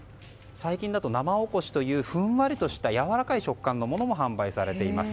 最近だと、生おこしというふんわりとしたやわらかい食感のものも販売されています。